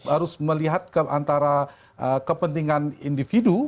harus melihat antara kepentingan individu